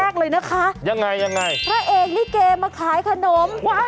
คู่กัดสะบัดข่าว